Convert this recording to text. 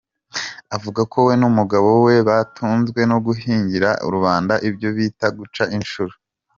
Avuga ko we n’umugabo we batunzwe no guhingira rubanda ibyo bita guca inshuro.